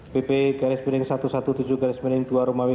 bpi garis meneng satu ratus tujuh belas garis meneng dua rumawi